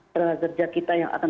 pekerja kita yang akan